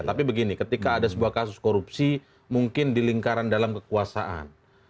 tapi begini ketika ada sebuah kasus korupsi mungkin di lingkaran dalam kekuasaan